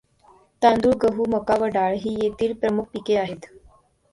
तांदूळ, गहू, मका व डाळ ही येथील प्रमुख पिके आहेत.